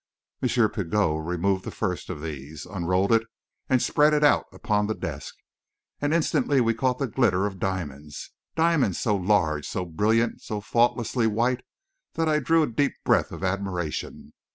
M. Pigot removed the first of these, unrolled it and spread it out upon the desk, and instantly we caught the glitter of diamonds diamonds so large, so brilliant, so faultlessly white that I drew a deep breath of admiration.